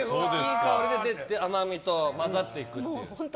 いい香りが甘みと混ざっていくという。